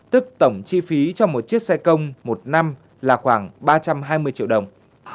tức tổng chi phí cho một chiếc xe công một năm là khoảng ba trăm hai mươi triệu đồng